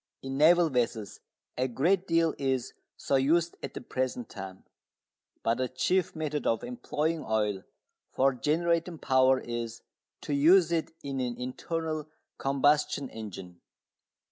In naval vessels a great deal is so used at the present time. But the chief method of employing oil for generating power is to use it in an internal combustion engine.